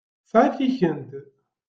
Tesεiḍ tikent?